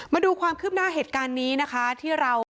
มาดูความคืบหน้าเหตุการณ์นี้นะคะที่เรา